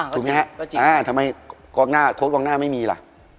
ถูกไหมฮะอ่าทำไมโค้ดวางหน้าไม่มีล่ะ